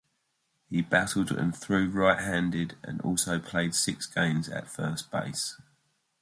He batted and threw right-handed and also played six games at first base.